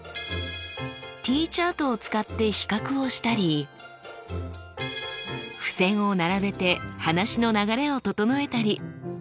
Ｔチャートを使って比較をしたり付せんを並べて話の流れを整えたり。